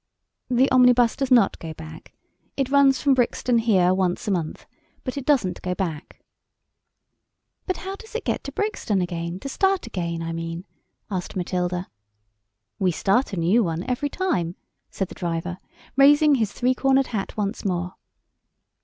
"The omnibus does not go back. It runs from Brixton here once a month, but it doesn't go back." "But how does it get to Brixton again, to start again, I mean," asked Matilda. "We start a new one every time," said the driver, raising his three cornered hat once more.